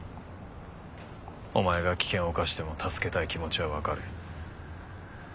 お前が危険を冒しても助けたい気持ちはわかる。